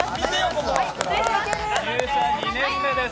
入社２年目です。